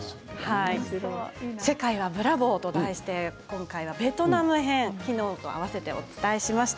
「世界はブラボー！」と題してベトナム編昨日と合わせてお伝えしました。